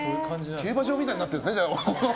競馬場みたいになってるんですね。